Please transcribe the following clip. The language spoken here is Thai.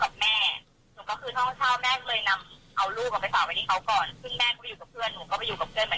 ซึ่งแม่ก็ไปอยู่กับเพื่อนหนูก็ไปอยู่กับเพื่อนเหมือนกัน